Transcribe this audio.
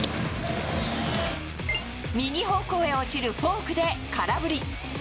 右方向へ落ちるフォークで空振り。